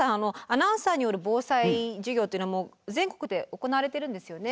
アナウンサーによる防災授業っていうのは全国で行われているんですよね？